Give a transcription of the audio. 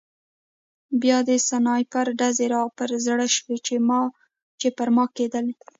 بیا د سنایپر ډزې را په زړه شوې چې پر ما کېدلې